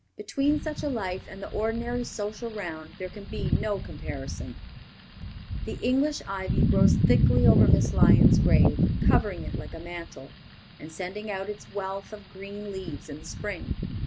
Between such a life and the ordinary social round there can be no comparison. The English ivy grows thickly over Miss Lyon's grave, covering it like a mantle, and sending out its wealth of green leaves in the spring.